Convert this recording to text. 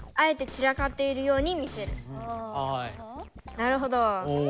なるほど。